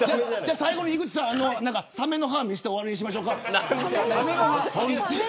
最後に井口さん、サメの歯を見せて、終わりにしましょうか。